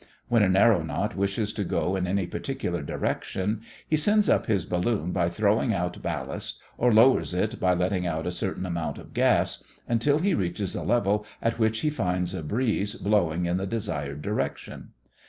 When an aëronaut wishes to go in any particular direction, he sends up his balloon by throwing out ballast or lowers it by letting out a certain amount of gas, until he reaches a level at which he finds a breeze blowing in the desired direction.